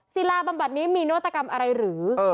ศิลาบำบัดนี้มีนวัตกรรมอะไรหรือ